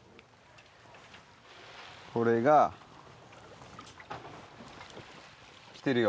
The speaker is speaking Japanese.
これが。来てるよ。